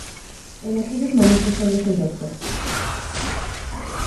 En aquellos momentos sólo el Dr.